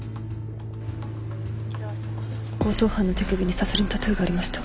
井沢さん強盗犯の手首にサソリのタトゥーがありました。